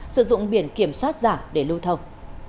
sử dụng biển kiểm soát giả để lưu thông